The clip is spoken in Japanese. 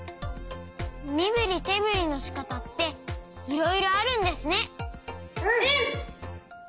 みぶりてぶりのしかたっていろいろあるんですね。